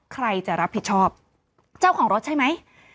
ใครจะรับผิดชอบเจ้าของรถใช่ไหม